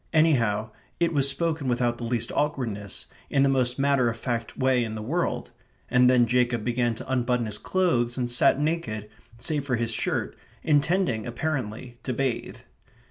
anyhow, it was spoken without the least awkwardness; in the most matter of fact way in the world; and then Jacob began to unbutton his clothes and sat naked, save for his shirt, intending, apparently, to bathe.